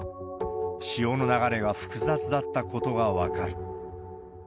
潮の流れが複雑だったことが分かる。